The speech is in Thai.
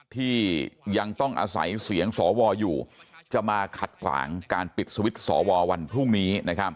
ที่ยังต้องอาศัยเสียงสวอยู่จะมาขัดขวางการปิดสวิตช์สววันพรุ่งนี้